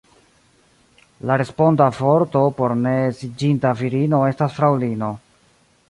La responda vorto por ne edziĝinta virino estas fraŭlino.